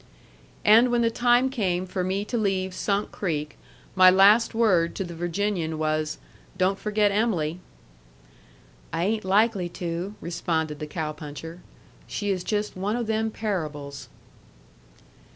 And when the time came for me to leave Sunk Creek, my last word to the Virginian was, "Don't forget Em'ly." "I ain't likely to," responded the cow puncher. "She is just one o' them parables."